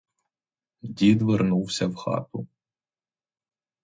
Дід вернувся в хату.